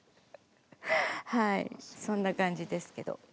はいそんな感じですけど。